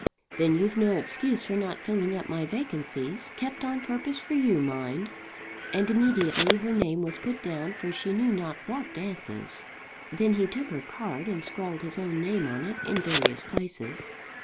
"Then you've no excuse for not filling up my vacancies, kept on purpose for you, mind." And immediately her name was put down for she knew not what dances. Then he took her card and scrawled his own name on it in various places.